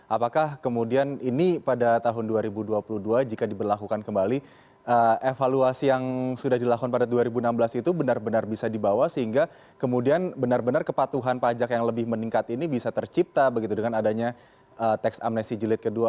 apakah kemudian ini pada tahun dua ribu dua puluh dua jika diberlakukan kembali evaluasi yang sudah dilakukan pada dua ribu enam belas itu benar benar bisa dibawa sehingga kemudian benar benar kepatuhan pajak yang lebih meningkat ini bisa tercipta begitu dengan adanya teks amnesti jilid kedua